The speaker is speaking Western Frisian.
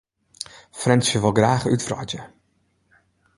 Frjentsjer wol graach útwreidzje.